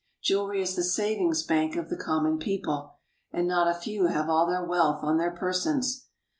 Jewelry is the savings bank of the common people, and not a few have all their wealth on their persons.